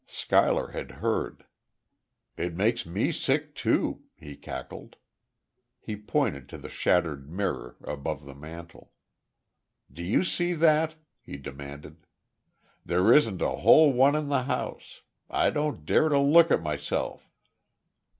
Schuyler had heard. "It makes me sick, too," he cackled. He pointed to the shattered mirror, above the mantel. "Do you see that?" he demanded. "There isn't a whole one in the house. I don't dare to look at myself."